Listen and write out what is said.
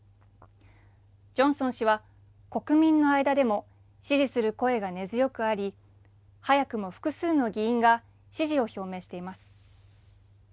ジョンソン氏は、国民の間でも支持する声が根強くあり、早くも複数の議員が支持を表明しています。